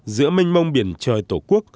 giữa minh mông biển trời tổ quốc